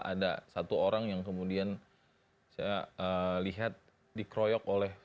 ada satu orang yang kemudian saya lihat dikroyok oleh